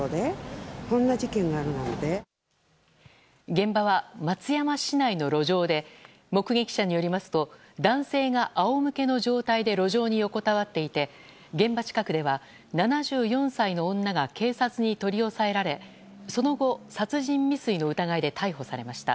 現場は松山市内の路上で目撃者によりますと男性が仰向けの状態で路上に横たわっていて現場近くでは、７４歳の女が警察に取り押さえられ、その後殺人未遂の疑いで逮捕されました。